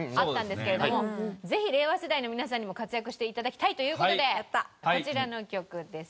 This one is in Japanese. ぜひ令和世代の皆さんにも活躍していただきたいという事でこちらの曲です。